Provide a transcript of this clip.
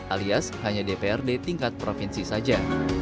alias hanya dprd tingkat provinsi saja